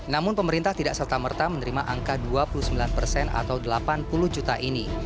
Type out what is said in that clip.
namun pemerintah tidak serta merta menerima angka dua puluh sembilan persen atau delapan puluh juta ini